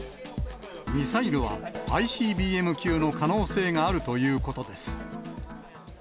ミサイルはＩＣＢＭ級の可能性があるということです。